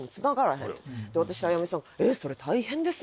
で私とあやみさん「えそれ大変ですね」。